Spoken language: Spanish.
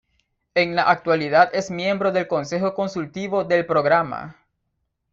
En la actualidad es miembro del Consejo consultivo del Programa.